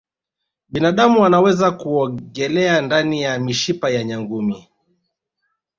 binadamu anaweza kuogelea ndani ya mishipa ya nyangumi